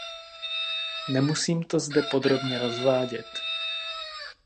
Nemusím to zde podrobně rozvádět.